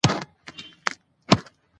بادي انرژي د افغانستان د زرغونتیا نښه ده.